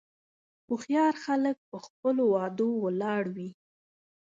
هوښیار خلک په خپلو وعدو ولاړ وي.